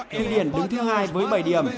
thụy điển đứng thứ hai với bảy điểm